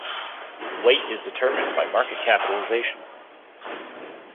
Weight is determined by market capitalization.